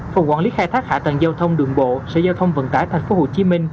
phòng quản lý khai thác hạ tầng giao thông đường bộ sở giao thông vận tải tp hcm